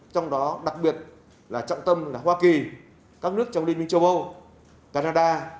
trong đó đặc biệt là trọng tâm là hoa kỳ các nước trong liên minh châu âu canada